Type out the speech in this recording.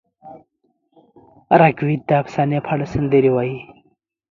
رګ وید د افسانې په اړه سندرې لري.